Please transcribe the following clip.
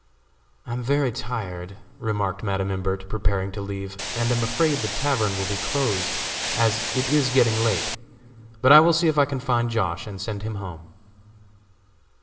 "I am very tired," remarked Madam Imbert, preparing to leave, "and am afraid the tavern will be closed, as it is getting late; but I will see if I can find Josh., and send him home."